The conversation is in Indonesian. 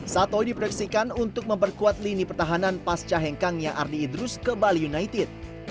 sato diproyeksikan untuk memperkuat lini pertahanan pasca hengkang yang ardi idrus ke bali united